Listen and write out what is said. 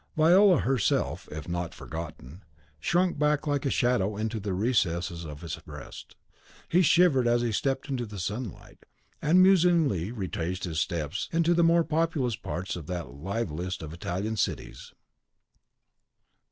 Viola herself, if not forgotten, shrunk back like a shadow into the recesses of his breast. He shivered as he stepped into the sunlight, and musingly retraced his steps into the more populous parts of that liveliest of Italian cities.